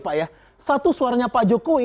pak ya satu suaranya pak jokowi